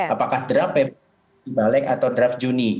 apakah draft di balik atau draft juni